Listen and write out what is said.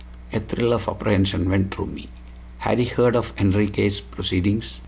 A thrill of apprehension went through me. Had he heard of Enriquez' proceedings?